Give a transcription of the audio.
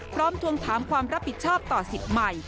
ทวงถามความรับผิดชอบต่อสิทธิ์ใหม่